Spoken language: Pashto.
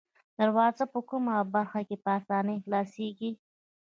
دروازه په کومه برخه کې په آسانۍ خلاصیږي؟